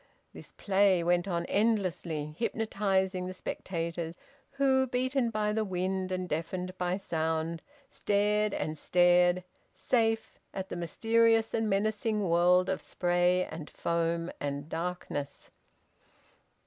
This play went on endlessly, hypnotising the spectators who, beaten by the wind and deafened by sound, stared and stared, safe, at the mysterious and menacing world of spray and foam and darkness.